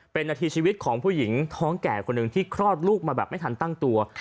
เป็นนาทีชีวิตของผู้หญิงท้องแก่คนหนึ่งที่คลอดลูกมาแบบไม่ทันตั้งตัว